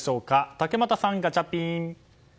竹俣さん、ガチャピン！